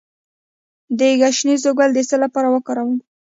د ګشنیز ګل د څه لپاره وکاروم؟